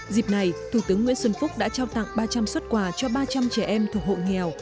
dịp này thủ tướng nguyễn xuân phúc đã trao tặng ba trăm linh xuất quà cho ba trăm linh trẻ em thuộc hộ nghèo